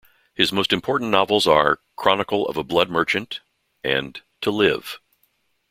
His most important novels are "Chronicle of a Blood Merchant" and "To Live".